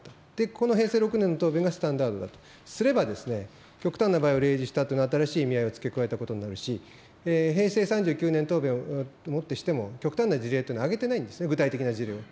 この平成６年の答弁がスタンダードだとすれば、極端な場合を例示したというのは、新しい意味合いを付け加えたことになるし、平成３９年答弁をもってしても、極端な事例というのは挙げてないんですね、具体的な事例を。